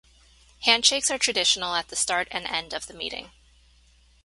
Handshakes are traditional at the start and end of the meeting.